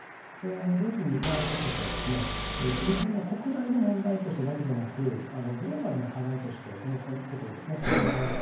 同時に今私たちはですね日本の国内の問題としてだけでなくグローバルな課題としてこのことをやっぱ考えようとしてるんですが。